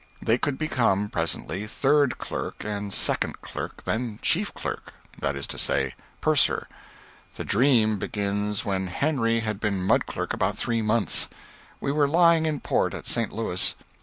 They could become, presently, third clerk and second clerk, then chief clerk that is to say, purser. The dream begins when Henry had been mud clerk about three months. We were lying in port at St. Louis.